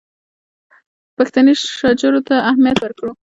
پښتني شجرو ته اهمیت ورکړو.